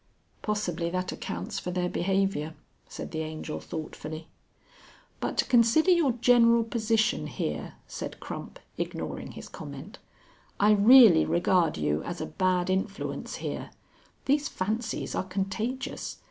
"Possibly that accounts for their behaviour," said the Angel thoughtfully. "But to consider your general position here," said Crump, ignoring his comment, "I really regard you as a bad influence here. These fancies are contagious.